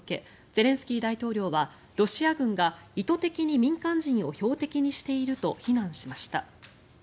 ゼレンスキー大統領はロシア軍が意図的に民間人を標的にしていると非難しました。